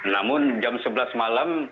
namun jam sebelas malam